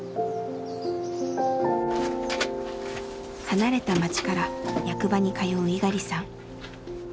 離れた町から役場に通う猪狩さん。